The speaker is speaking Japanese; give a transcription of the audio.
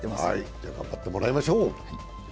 では頑張ってもらいましょう。